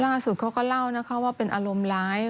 เขาก็เล่านะคะว่าเป็นอารมณ์ร้าย